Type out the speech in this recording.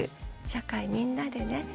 社会みんなでね